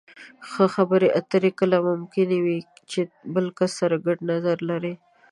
ښه خبرې اترې کله ممکنې وي چې د بل کس سره ګډ نظر لرئ.